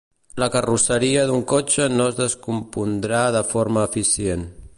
La carrosseria d'un cotxe no es descompondrà de forma eficient.